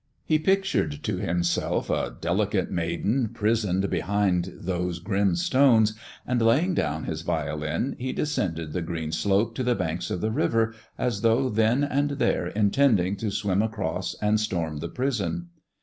He pictured to himself a delicate maiden prisoned behind those grim stones, and laying down his violin, he descended the green slope to the banks of the river, as though then and there intending to swim across and storm the prison.